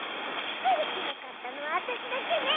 ずるしなかったのはわたしだけね！